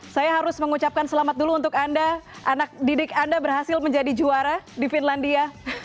saya harus mengucapkan selamat dulu untuk anda anak didik anda berhasil menjadi juara di finlandia